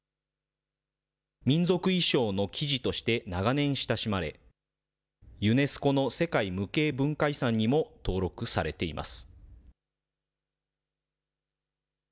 民族衣装の生地として長年親しまれ、ユネスコの世界無形文化遺産にも登録されています。